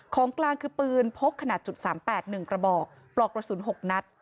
ของกลางคือปืนพกขนาด๓๘๑กระบอกปลอกกระสุน๖นัด